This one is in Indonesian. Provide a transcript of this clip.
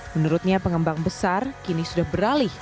menurutnya pengembang besar kini sudah beralih